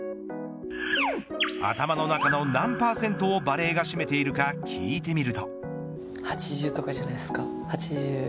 頭の中の何％をバレーが占めているか聞いてみると。